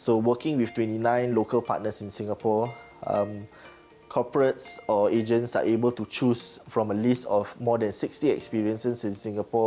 jadi bekerja dengan dua puluh sembilan pasangan lokal di singapura perusahaan atau agen bisa memilih dari listanya lebih dari enam puluh pengalaman di singapura